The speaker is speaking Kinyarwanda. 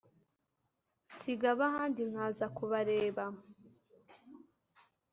nsiga abahandi nkaza kubareba